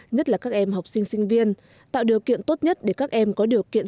nhất là các em học sinh sinh viên tạo điều kiện tốt nhất để các em có điều kiện